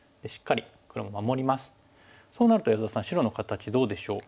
そうなると安田さん白の形どうでしょう？